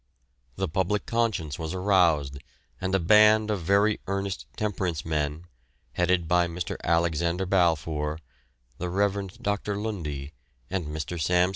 The public conscience was aroused, and a band of very earnest temperance men, headed by Mr. Alexander Balfour, the Rev. Dr. Lundie, and Mr. Sam.